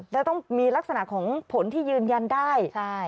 แล้วต้องมีลักษณะของผลที่ยืนยันได้